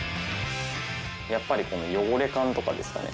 やっぱりこの汚れ感とかですかね。